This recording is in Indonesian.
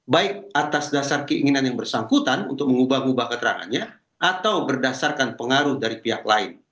baik atas dasar keinginan yang bersangkutan untuk mengubah ubah keterangannya atau berdasarkan pengaruh dari pihak lain